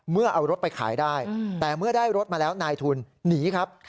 เมื่อเอารถไปขายได้แต่เมื่อได้รถมาแล้วนายทุนหนีครับ